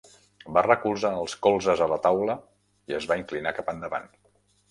Va recolzar els colzes a la taula i es va inclinar cap endavant.